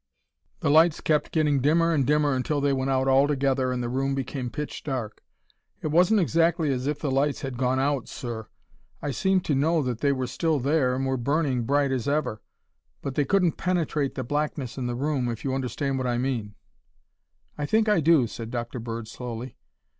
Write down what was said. "The lights kept getting dimmer and dimmer until they went out altogether and the room became pitch dark. It wasn't exactly as if the lights had gone out, sir; I seemed to know that they were still there and were burning as bright as ever, but they couldn't penetrate the blackness in the room, if you understand what I mean." "I think I do," said Dr. Bird slowly.